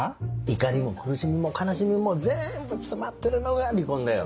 怒りも苦しみも悲しみもぜんぶ詰まってるのが離婚だよ。